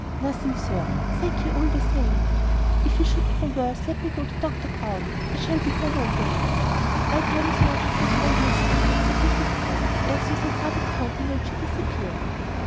"Nothing, sir thank'ee all the same." "If he should grow worse let me go for Doctor Brown. I shall be at home all day." "I'll tell Miss March of your kindness, sir," said Mrs. Tod, as with a troubled countenance she disappeared.